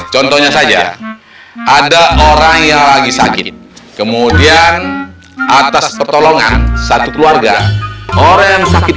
contohnya saja ada orang yang lagi sakit kemudian atas pertolongan satu keluarga orang yang sakit